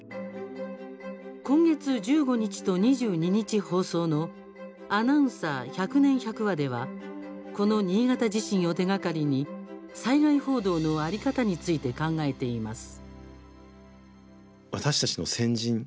今月１５日と２２日放送の「アナウンサー百年百話」ではこの新潟地震を手がかりに災害報道の在り方について考えています。